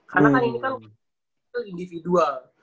karena kan ini kan individual